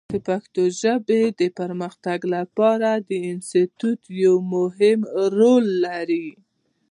د پښتو ژبې د پرمختګ لپاره انسټیټوت یو مهم رول لري.